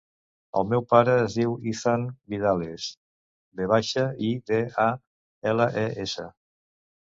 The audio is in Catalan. El meu pare es diu Ethan Vidales: ve baixa, i, de, a, ela, e, essa.